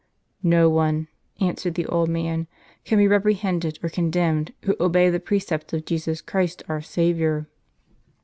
"No one," answered the old man, "can be reprehended or condemned who obeys the precepts of Jesus Christ our Saviour."